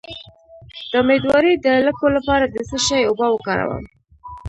د امیدوارۍ د لکو لپاره د څه شي اوبه وکاروم؟